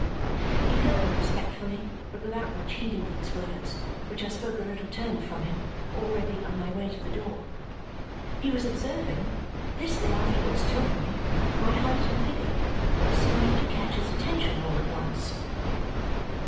He heard me respectfully but without much heeding these words, which I spoke a little turned from him, already on my way to the door; he was observing (this they afterwards told me) my height and figure, which seemed to catch his attention all at once.